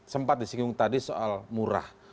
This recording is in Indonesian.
sempat disinggung tadi soal murah